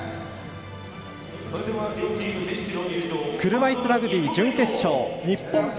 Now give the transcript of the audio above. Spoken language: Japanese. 車いすラグビー準決勝日本対